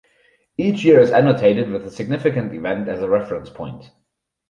Each year is annotated with a significant event as a reference point.